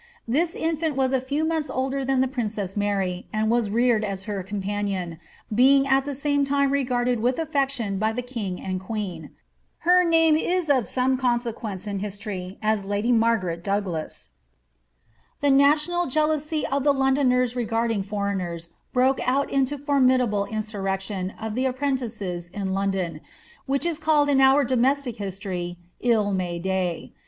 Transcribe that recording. This infant was a few months older than the princess Mary, and was reared as her companion, being at the same time regarded with aflection by the king and queen. Her name if of some consequence in history as lady jVIargaret Douglas. The national jealousy of the Londoners regarding foreigners broke out into that formidable insurrection of the apprentices in London, which is called in our domestic history 111 May day.